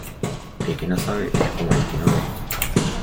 El que no sabe es como el que no ve.